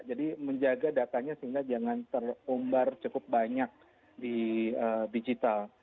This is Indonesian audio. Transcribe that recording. jadi menjaga datanya sehingga jangan terumbar cukup banyak di digital